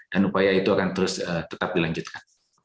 dan upaya itu akan tetap dilanjutkan